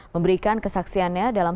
memberikan kesaksiannya dalam